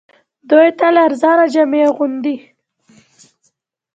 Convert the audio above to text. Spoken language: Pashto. دوی تل ارزانه جامې اغوندي